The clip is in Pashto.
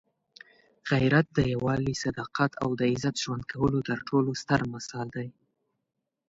غیرت د یووالي، صداقت او د عزت ژوند کولو تر ټولو ستر مثال دی.